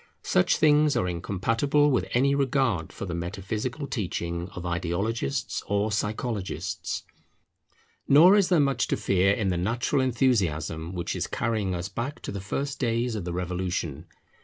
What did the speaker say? Such things are incompatible with any regard for the metaphysical teaching of ideologists or psychologists. Nor is there much to fear in the natural enthusiasm which is carrying us back to the first days of the Revolution.